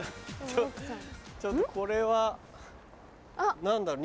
ちょっとこれは何だろう？